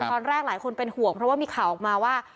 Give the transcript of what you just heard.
หลายคนเป็นห่วงเพราะว่ามีข่าวออกมาว่า